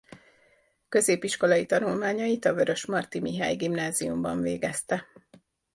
Középiskolai tanulmányait a Vörösmarty Mihály Gimnáziumban végezte.